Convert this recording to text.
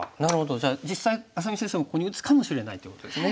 じゃあ実際愛咲美先生もここに打つかもしれないということですね。